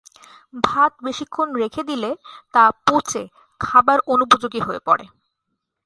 ভাত বেশিক্ষণ রেখে দিলে তা পচে খাবার অনুপযোগী হয়ে পড়ে।